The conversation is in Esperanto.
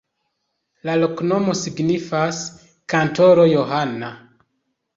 La loknomo signifas: kantoro-Johana.